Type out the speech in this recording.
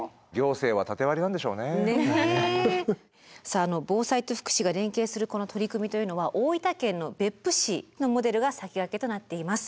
さあ防災と福祉が連携するこの取り組みというのは大分県の別府市のモデルが先駆けとなっています。